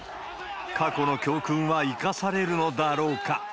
過去の教訓は生かされるのだろうか。